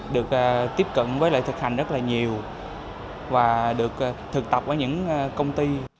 được tiếp cận với lại thực hành rất là nhiều và được thực tập ở những công ty